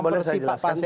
boleh saya jelaskan